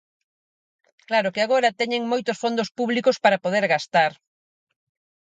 Claro que agora teñen moitos fondos públicos para poder gastar.